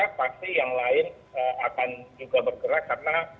karena yang satu bergerak pasti yang lain akan juga bergerak karena